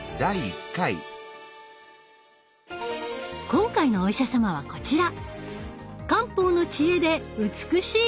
今回のお医者様はこちら。